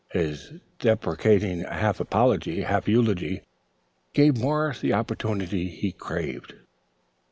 His deprecating half apology, half eulogy, gave Morris the opportunity he craved.